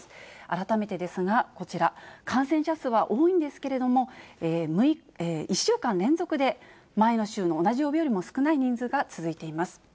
改めてですがこちら、感染者数は多いんですけれども、１週間連続で前の週の同じ曜日よりも少ない人数が続いています。